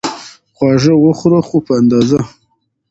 خواږه وخوره، خو په اندازه